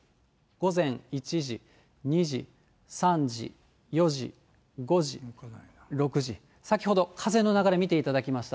午前１時、２時、３時、４時、５時、６時、先ほど風の流れ、見ていただきました。